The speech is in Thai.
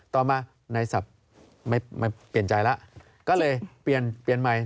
ต่อมาในศัพท์เปลี่ยนใจแล้วก็เลยเปลี่ยนใหม่